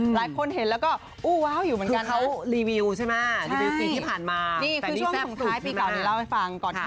หลายคนเห็นแล้วก็อู้วาวอยู่เหมือนกันนะ